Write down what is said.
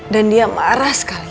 dan dia marah sekali